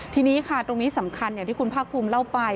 ทีนี้ค่ะตรงนี้สำคัญอย่างที่คุณภาคภูมิเล่าไป